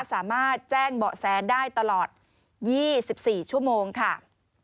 สามารถแจ้งเบาะแสได้ตลอด๒๔ชั่วโมงค่ะ